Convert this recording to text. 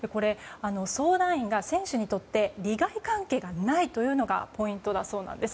相談員が選手にとって利害関係がないというのがポイントだそうです。